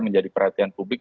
menjadi perhatian publik